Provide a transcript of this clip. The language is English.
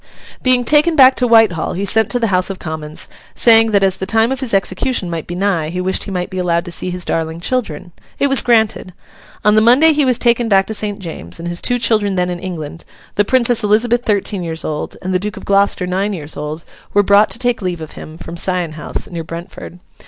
Being taken back to Whitehall, he sent to the House of Commons, saying that as the time of his execution might be nigh, he wished he might be allowed to see his darling children. It was granted. On the Monday he was taken back to St. James's; and his two children then in England, the Princess Elizabeth thirteen years old, and the Duke Of Gloucester nine years old, were brought to take leave of him, from Sion House, near Brentford.